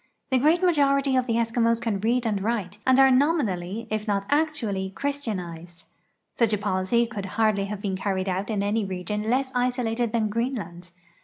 The great majority of the Eskimos can read and write and are nominally, if not actually, christianized. Such a policy could hardl}^ have been carried out in any region less isolated than Greenland.